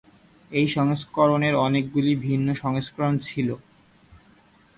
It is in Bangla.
এই সংস্করণের অনেকগুলি ভিন্ন সংস্করণ ছিল।